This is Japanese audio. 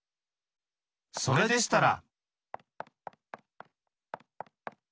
それでしたら！